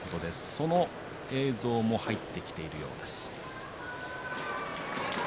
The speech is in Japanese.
その映像も入ってきています。